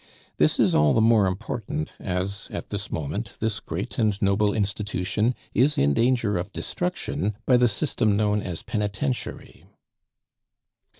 This is all the more important as, at this moment, this great and noble institution is in danger of destruction by the system known as penitentiary.